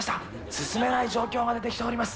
進めない状況が出てきております。